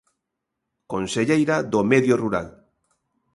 Conselleira do Medio Rural.